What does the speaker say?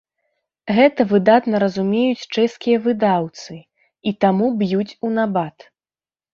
Гэта выдатна разумеюць чэшскія выдаўцы і таму б'юць у набат.